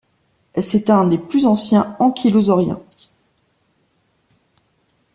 C'est un des plus anciens ankylosauriens.